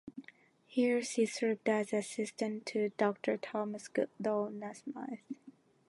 Here she served as assistant to Dr Thomas Goodall Nasmyth.